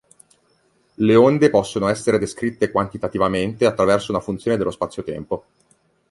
Le onde possono essere descritte quantitativamente attraverso una funzione dello spazio-tempo.